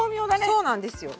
そうなんですよ。